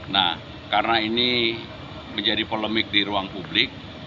nah karena ini menjadi polemik di ruang publik